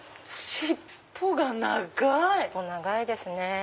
尻尾長いですね。